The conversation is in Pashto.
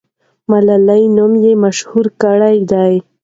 ملالۍ نوم یې مشهور کړی دی.